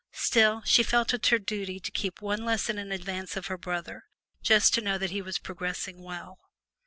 Still, she felt it her duty to keep one lesson in advance of her brother, just to know that he was progressing well.